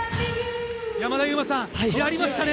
山田勇磨さん、やりましたね。